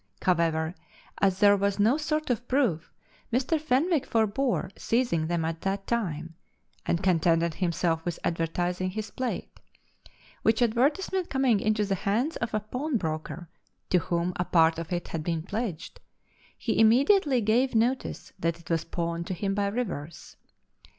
However, as there was no sort of proof, Mr. Fenwick forbore seizing them at that time, and contented himself with advertizing his plate; which advertisement coming into the hands of a pawnbroker, to whom a part of it had been pledged, he immediately gave notice that it was pawned to him by Rivers.